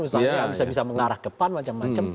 misalnya bisa bisa mengarah ke pan macam macam